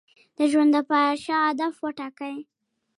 د ژوند لپاره ښه اهداف وټاکئ.